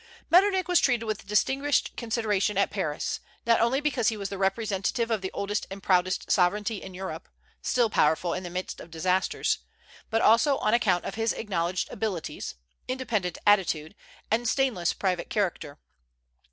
Metternich was treated with distinguished consideration at Paris, not only because he was the representative of the oldest and proudest sovereignty in Europe, still powerful in the midst of disasters, but also on account of his acknowledged abilities, independent attitude, and stainless private character.